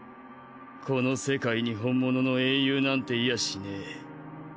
この世界に本物の英雄なんていやしねえ。